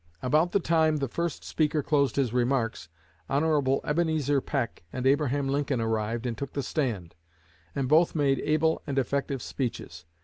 About the time the first speaker closed his remarks, Hon. Ebenezer Peck and Abraham Lincoln arrived and took the stand; and both made able and effective speeches.